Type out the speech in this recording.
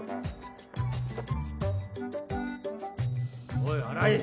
おい荒井。